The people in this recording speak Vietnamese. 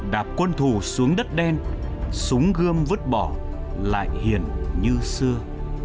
đạp quân thủ xuống đất đen súng gươm vứt bỏ lại hiền như xưa